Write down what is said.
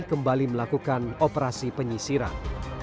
kembali melakukan operasi penyisiran